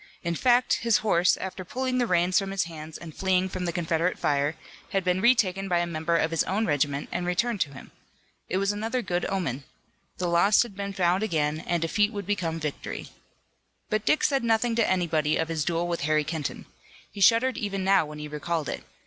In fact his horse, after pulling the reins from his hands and fleeing from the Confederate fire, had been retaken by a member of his own regiment and returned to him. It was another good omen. The lost had been found again and defeat would become victory. But Dick said nothing to anybody of his duel with Harry Kenton. He shuddered even now when he recalled it.